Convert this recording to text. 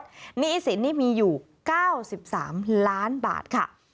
หนี้สินนี่มีอยู่๙๓ล้านบาทค่ะ